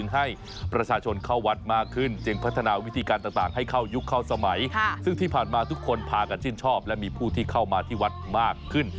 ให้เขายุคเขาสมัยซึ่งที่ผ่านมาทุกคนผ่ากันชื่นชอบและมีผู้ที่เข้ามาที่วัดมากขึ้น